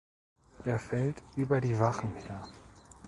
Er fällt über die Wachen her.